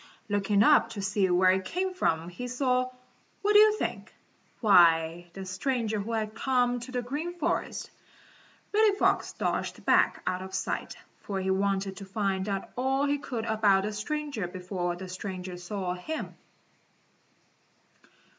Looking up to see where it came from he saw what do you think? Why, the stranger who had come to the Green Forest. Reddy Fox dodged back out of sight, for he wanted to find out all he could about the stranger before the stranger saw him.